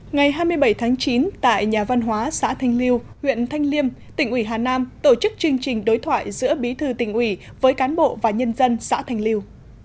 ngày hai mươi bảy tháng chín tại nhà văn hóa xã thanh liêu huyện thanh liêm tỉnh ủy hà nam tổ chức chương trình đối thoại giữa bí thư tỉnh ủy với cán bộ và nhân dân xã thanh liêu